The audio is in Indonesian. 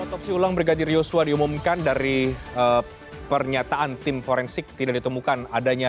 otopsi ulang brigadir yosua diumumkan dari pernyataan tim forensik tidak ditemukan adanya